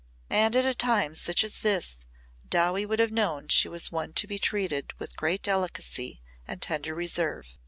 And at a time such as this Dowie would have known she was one to be treated with great delicacy and tender reserve.